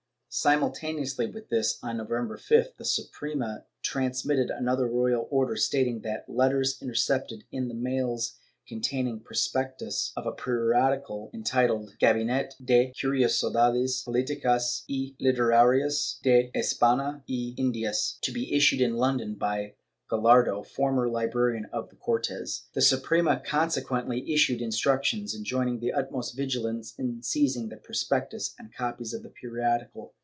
Simultaneously with this, on November 5th, the Suprema trans mitted another royal order stating that letters intercepted in the mails contained prospectuses of a periodical entitled '' Gabinete de Curiosidades politicas y literarias de Espaiia y Indias," to be issued in London by Gallardo, former librarian of the Cortes. The Suprema consequently issued instructions enjoining the utmost vigilance in seizing the prospectus and copies of the periodical.